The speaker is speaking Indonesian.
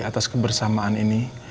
atas kebersamaan ini